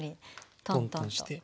トントンして。